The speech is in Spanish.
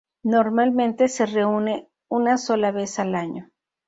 Normalmente se reúne una sola vez al año.